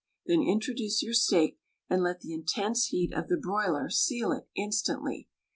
Then introduce your steak and let the in tense heat of the broiler seal it instantly.